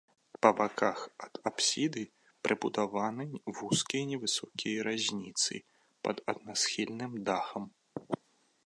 Па баках да апсіды прыбудаваны вузкія невысокія рызніцы пад аднасхільным дахам.